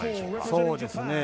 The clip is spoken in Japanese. そうですね。